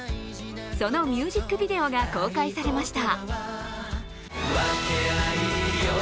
そのミュージックビデオが公開されました。